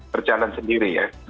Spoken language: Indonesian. berjalan sendiri ya